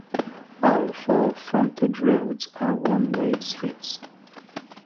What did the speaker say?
All four frontage roads are one-way streets.